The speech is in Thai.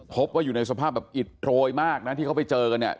พบว่าอยู่ในสภาพอิตโทยมากที่เขาไปเจอกัน